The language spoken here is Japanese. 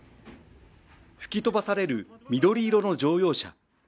吹き飛ばされる緑色の乗用車。